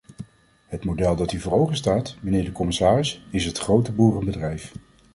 Het model dat u voor ogen staat, mijnheer de commissaris, is het grote boerenbedrijf.